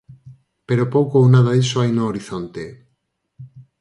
Pero pouco ou nada diso hai no horizonte.